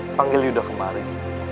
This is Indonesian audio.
panggilnya udah kemarin